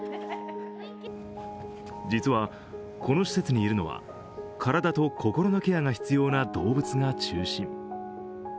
実はこの施設にいるのは体と心のケアが必要な動物が中心。